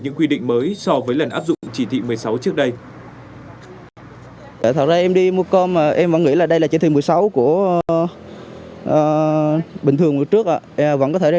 những quy định mới so với lần áp dụng chỉ thị một mươi sáu trước đây